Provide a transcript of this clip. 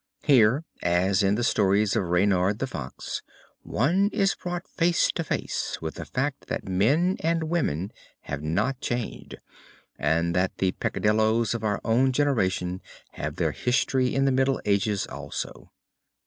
Here, as in the stories of Reynard the Fox, one is brought face to face with the fact that men and women have not changed and that the peccadillos of our own generation have their history in the Middle Ages also.